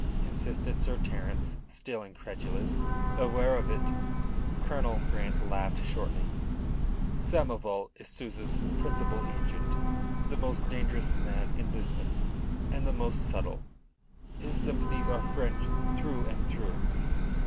insisted Sir Terence, still incredulous. "Aware of it?" Colonel Grant laughed shortly. "Samoval is Souza's principal agent the most dangerous man in Lisbon and the most subtle. His sympathies are French through and through."